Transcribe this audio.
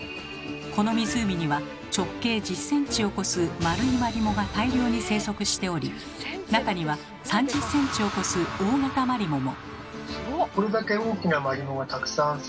この湖には直径１０ｃｍを超す丸いマリモが大量に生息しており中には３０ｃｍを超す大型マリモも。